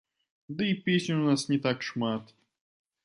Ды і песень у нас не так шмат.